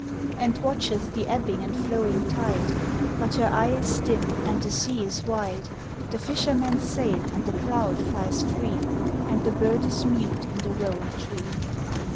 _) And watcheth the ebbing and flowing tide, But her eye is dim, and the sea is wide; The fisherman's sail and the cloud flies free And the bird is mute in the rowan tree.